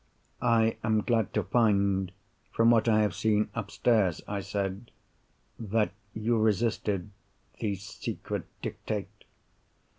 "I am glad to find, from what I have seen upstairs," I said, "that you resisted the secret Dictate."